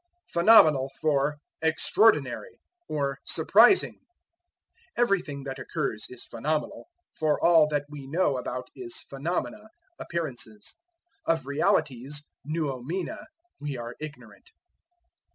Phenomenal for Extraordinary, or Surprising. Everything that occurs is phenomenal, for all that we know about is phenomena, appearances. Of realities, noumena, we are ignorant.